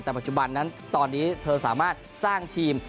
แต่ปัจจุบันนั้นตอนนี้เธอสามารถสร้างทีม